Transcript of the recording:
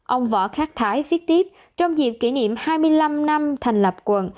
ông võ khắc thái viết tiếp trong dịp kỷ niệm hai mươi năm năm thành lập quận